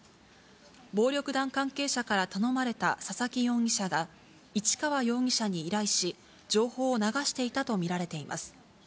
暴力団関係者から頼まれた佐々木容疑者が、市川容疑者に依頼し、情報を流していたと見られています。